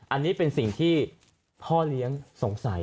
อันนี้เป็นสิ่งที่พ่อเลี้ยงสงสัย